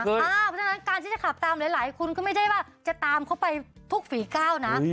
เพราะฉะนั้นการที่จะขับตามหลายคนก็ไม่ได้ว่าจะตามเขาไปทุกฝีก้าวนะ